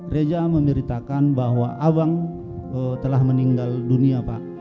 reja memberitakan bahwa abang telah meninggal dunia pak